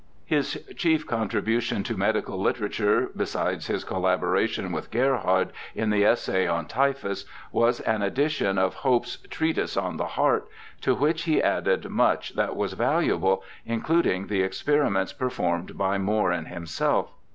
His chief con tribution to medical literature, besides his collaboration with Gerhard in the essay on Typhus, was an edition of Hope's Treatise on the Heart, to which he added ALFRED STILLE 235 much that was valuable, including the experiments performed by Moore and himself.